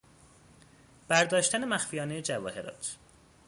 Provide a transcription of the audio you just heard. برداشتن مخفیانه جواهرات